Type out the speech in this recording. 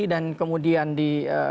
dan kemudian di